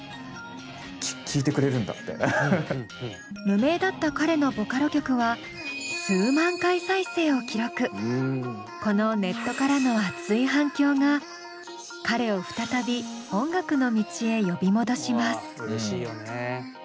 無名だった彼のボカロ曲はこのネットからの熱い反響が彼を再び音楽の道へ呼び戻します。